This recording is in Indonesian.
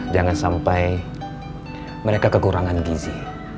jangan sampai mereka kekurangan gizi